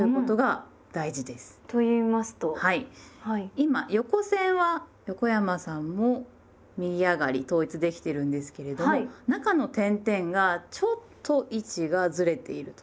今横線は横山さんも右上がり統一できてるんですけれども中の点々がちょっと位置がずれていると。